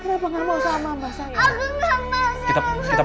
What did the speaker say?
aku gak mau